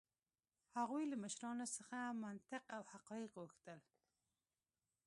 هغوی له مشرانو څخه منطق او حقایق غوښتل.